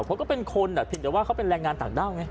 เพราะก็เป็นคนอ่ะผิดแต่ว่าเขาเป็นแรงงานต่างไง